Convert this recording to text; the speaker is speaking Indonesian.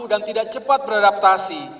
dan tidak cepat beradaptasi